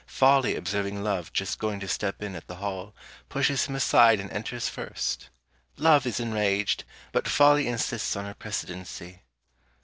Folly observing Love just going to step in at the hall, pushes him aside and enters first. Love is enraged, but Folly insists on her precedency.